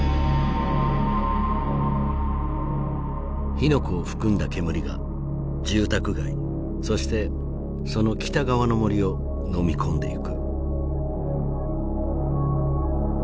火の粉を含んだ煙が住宅街そしてその北側の森をのみ込んでいく。